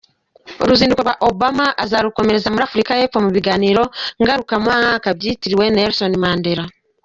Uruzinduko rwa Obama azarukomereza muri Afurika y’Epfo mu biganiro ngarukamwaka byitiriwe Nelson Mandela.